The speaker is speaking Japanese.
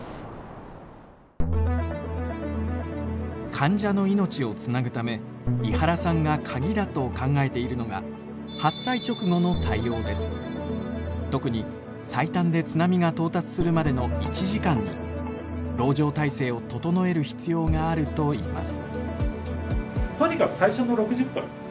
患者の命をつなぐため井原さんが鍵だと考えているのが特に最短で津波が到達するまでの１時間に籠城態勢を整える必要があるといいます。